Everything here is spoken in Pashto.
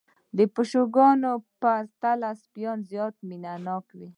د پيشوګانو په پرتله سپي زيات مينه ناک وي